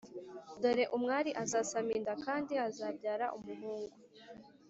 “Dore umwari azasama inda kandi azabyara umuhungu